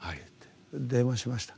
電話しました。